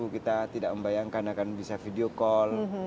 kita tidak membayangkan akan bisa video call